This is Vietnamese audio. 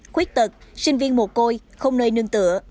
khuyết tật sinh viên một côi không nơi nương tựa